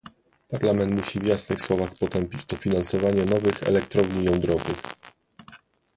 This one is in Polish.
Parlament musi w jasnych słowach potępić to finansowanie nowych elektrowni jądrowych